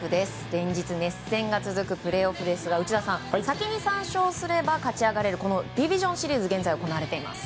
連日熱戦が続くプレーオフですが内田さん、先に３勝すれば勝ち上がれるディビジョンシリーズが現在行われています。